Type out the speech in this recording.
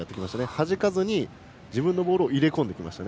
はじかずに自分のボールを入れ込んできました。